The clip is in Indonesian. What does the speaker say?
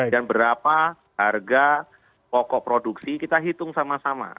dan berapa harga pokok produksi kita hitung sama sama